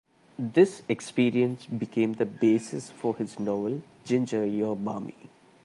This experience became the basis for his novel "Ginger You're Barmy".